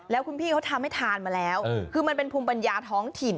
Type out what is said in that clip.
แล้วคุณพี่เขาทำให้ทานมาแล้วคือมันเป็นภูมิปัญญาท้องถิ่น